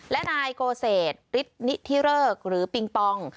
และนายโกเศษฤทธินิธิเริกหรือปิงปอง